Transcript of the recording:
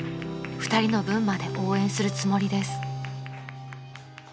２人の分まで応援するつもりです］